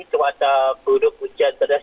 cuaca buruk hujan terdes